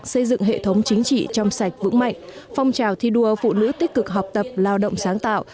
xây dựng hệ thống chính trị trong sạch vững mạnh phong trào thi đua phụ nữ tích cực học tập lao động sáng tạo